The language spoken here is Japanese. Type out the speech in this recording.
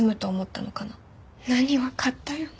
何わかったような。